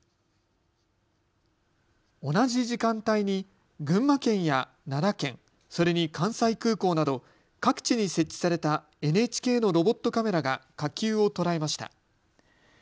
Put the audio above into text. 同じ時間帯に群馬県や奈良県、それに関西空港など各地に設置されたＮＨＫのロボットカメラが火球を捉えました。